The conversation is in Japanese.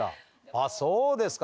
あっそうですか。